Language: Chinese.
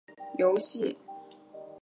而尼布尔海姆事件也收录在游戏中。